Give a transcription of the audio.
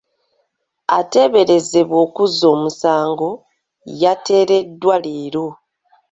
Ateeberezebwa okuzza omusango, yateereddwa leero.